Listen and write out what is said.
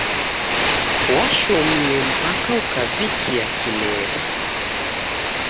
Washomie mpaka ukavikia kileri.